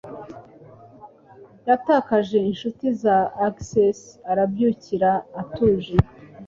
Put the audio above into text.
Yatakaje inshuti za Aces arabyakira atuje